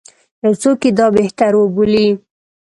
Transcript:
یو څوک یې دا بهتر وبولي.